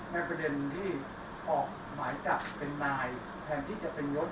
ในประเด็นที่ออกหมายจับเป็นนายแทนที่จะเป็นยศ